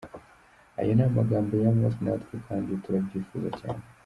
Ayo ni amagambo ya Mose natwe kandi turabyifuza cyane.